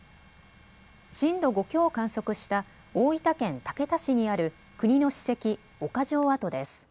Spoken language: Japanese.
震度５強を観測した大分県竹田市にある国の史跡、岡城跡です。